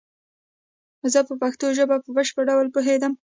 زه په پشتو ژبه په بشپړ ډول پوهیږم